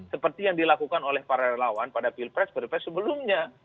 seperti yang dilakukan oleh para relawan pada pilpres pilpres sebelumnya